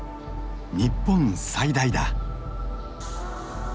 日本最大だ。